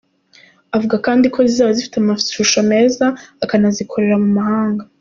Avuga kandi ko zizaba zifite amashusho meza, akazanazikorera mu mahanga.